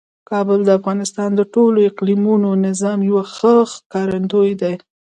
کابل د افغانستان د ټول اقلیمي نظام یو ښه ښکارندوی دی.